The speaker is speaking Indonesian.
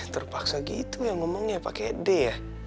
terpaksa gitu ya ngomongnya pakai d ya